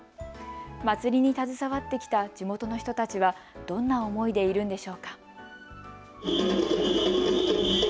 祭りに携わってきた地元の人たちは、どんな思いでいるんでしょうか。